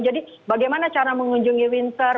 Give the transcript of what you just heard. jadi bagaimana cara mengunjungi windsor